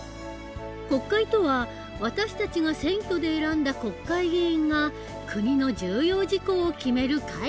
国会とは私たちが選挙で選んだ国会議員が国の重要事項を決める会議の事。